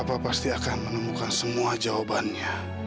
hei gandeng aku dong